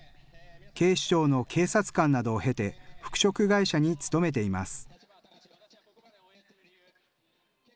警視庁の警察官などを経て服飾会社に勤めています。